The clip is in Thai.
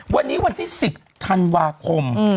วันนี้วันที่๑๐ธันวาคม